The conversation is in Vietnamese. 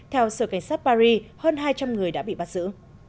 theo sở cảnh sát paris hơn hai trăm linh người đã bị bắt giữ